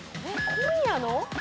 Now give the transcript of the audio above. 今夜の？